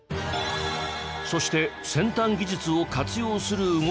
そして先端技術を活用する動きも。